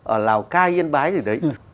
ở lào cai yên bái gì đấy